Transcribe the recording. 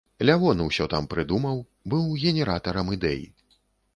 Лявон усё там прыдумаў, быў генератарам ідэй.